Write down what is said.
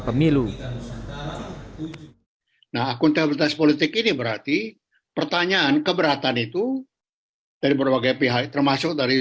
pemilu nah akuntabilitas politik ini berarti pertanyaan keberatan itu dari berbagai pihak termasuk dari